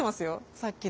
さっきの。